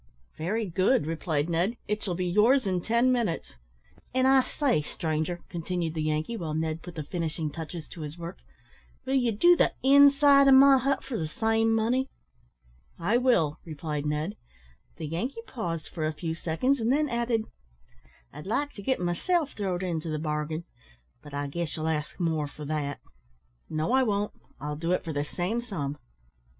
"Very good," replied Ned, "it shall be yours in ten minutes." "An' I say, stranger," continued the Yankee, while Ned put the finishing touches to his work, "will ye do the inside o' my hut for the same money?" "I will," replied Ned. The Yankee paused for a few seconds, and then added "I'd like to git myself throwd into the bargain, but I guess ye'll ask more for that." "No, I won't; I'll do it for the same sum."